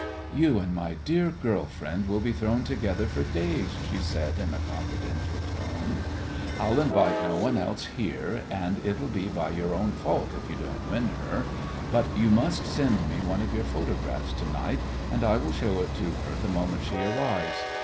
"You and my dear girl friend will be thrown together for days," she said, in a confidential tone. "I'll invite no one else here, and it'll be your own fault if you don't win her. But you must send me one of your photographs to night, and I will show it to her the moment she arrives.